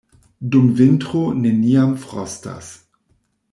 Dum vintro neniam frostas.